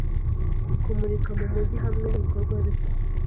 Kumurika mumujyi hamwe nibikorwa bike